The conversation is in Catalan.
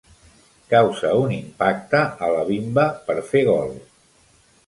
Causa un impacte a la bimba per fer gol.